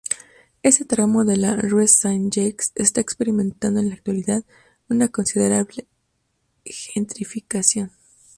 Ese tramo de la Rue Saint-Jacques está experimentando en la actualidad una considerable gentrificación.